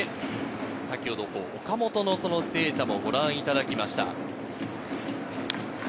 岡本のデータをご覧いただきました。